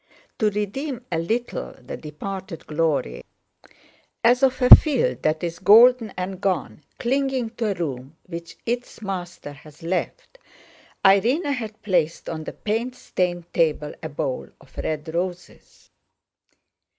To redeem a little the departed glory, as of a field that is golden and gone, clinging to a room which its master has left, Irene had placed on the paint stained table a bowl of red roses.